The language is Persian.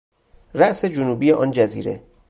راس جنوبی آن جزیره